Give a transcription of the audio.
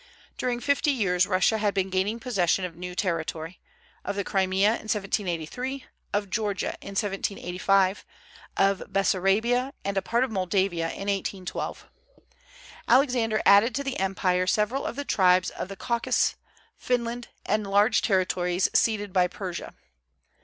During fifty years Russia had been gaining possession of new territory, of the Crimea in 1783, of Georgia in 1785, of Bessarabia and a part of Moldavia in 1812. Alexander added to the empire several of the tribes of the Caucasus, Finland, and large territories ceded by Persia.